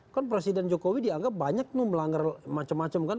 kan presiden jokowi dianggap banyak melanggar macam macam kan